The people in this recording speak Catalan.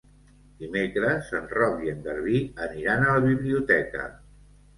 Dimecres en Roc i en Garbí aniran a la biblioteca.